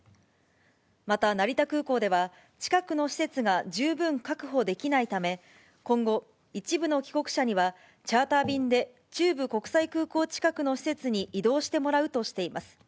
また成田空港では、近くの施設が十分確保できないため、今後、一部の帰国者にはチャーター便で中部国際空港近くの施設に移動してもらうとしています。